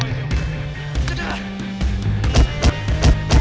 nah kalau tidak maaf tahu